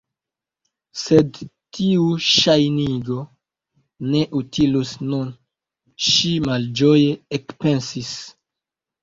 "Sed tiu ŝajnigo ne utilus nun" ŝi malĝoje ekpensis.